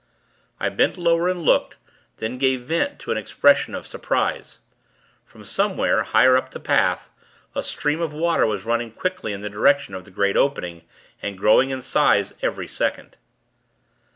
I bent lower, and looked; then gave vent to an expression of surprise. From somewhere, higher up the path, a stream of water was running quickly in the direction of the great opening, and growing in size every second.